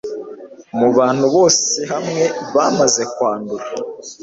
Mu bantu bose hamwe bamaze kwandura,